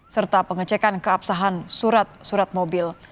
serta pengecekan keabsahan surat surat mobil